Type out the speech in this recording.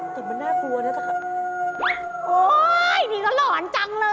แต่มันน่ากลัวนะสักครั้งโอ้โฮนี่ก็หลอนจังเลย